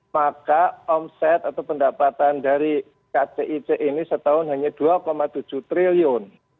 maka omset atau pendapatan dari kcic ini setahun hanya dua tujuh triliun